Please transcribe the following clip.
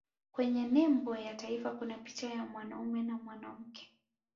kwenye nembo ya taifa kuna picha ya mwanaume na mwanamke